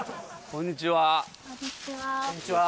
こんにちは。